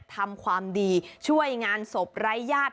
ทำความดีช่วยงานศพไร้ญาติ